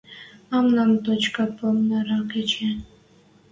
Мӓмнӓн точка палнырак эче.